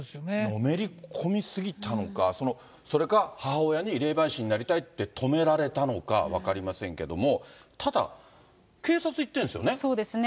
のめり込み過ぎたのか、その、それか母親に霊媒師になりたいって止められたのか分かりませんけれども、ただ、そうですね。